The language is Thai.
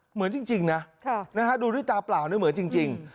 เหมือนจริงนะดูด้วยตาเปล่านี่เหมือนจริง